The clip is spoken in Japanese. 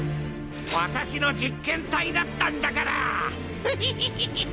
私の実験体だったんだからふひひひ！